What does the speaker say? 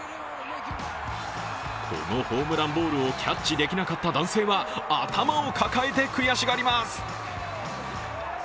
このホームランボールをキャッチできなかった男性は頭を抱えて悔しがります。